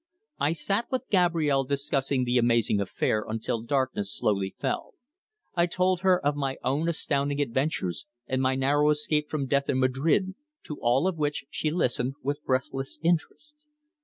I sat with Gabrielle discussing the amazing affair until darkness slowly fell. I told her of my own astounding adventures, and my narrow escape from death in Madrid, to all of which she listened with breathless interest.